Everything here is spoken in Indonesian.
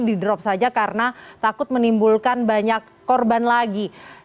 didrop saja karena takut menimbulkan banyak korban lagi